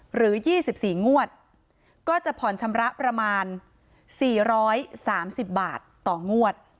หรือยี่สิบสี่งวดก็จะผ่อนชำระประมาณสี่ร้อยสามสิบบาทต่องวด